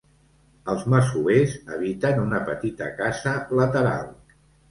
Els masovers habiten una petita casa lateral.